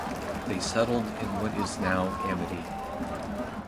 They settled in what is now Amity.